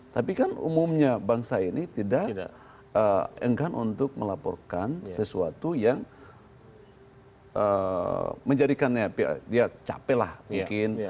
tapi kan umumnya bangsa ini tidak enggan untuk melaporkan sesuatu yang menjadikannya dia capek lah mungkin